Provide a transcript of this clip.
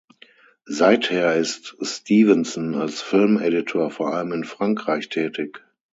Seither ist Stevenson als Filmeditor vor allem in Frankreich tätig.